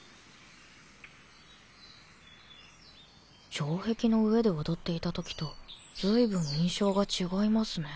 城壁の上で踊っていた時と随分印象が違いますね。